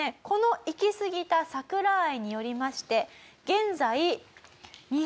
このいきすぎた桜愛によりまして現在。